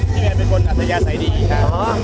พี่แม่เป็นคนอาสยาใส่ดีค่ะ